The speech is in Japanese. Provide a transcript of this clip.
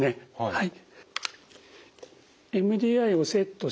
はい。